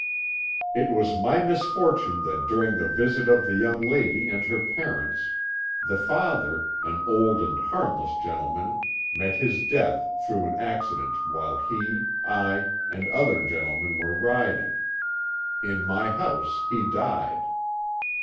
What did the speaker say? "It was my misfortune that during the visit of the young lady and her parents, the father, an old and harmless gentleman, met his death through an accident while he, I, and other gentlemen were riding. In my house he died.